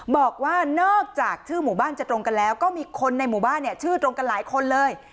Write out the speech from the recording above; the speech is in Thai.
บอกว่านอกจากชื่อหมู่บ้านจะตรงกันแล้วก็มีคนในหมู่บ้านเนี่ยชื่อตรงกันหลายคนเลย